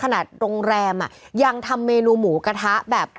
โรงแรมอ่ะยังทำเมนูหมูกระทะแบบ